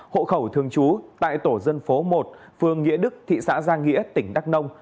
hộ khẩu thường chú tại tổ dân phố một phường nghĩa đức thị xã giang nghĩa tỉnh đắk nông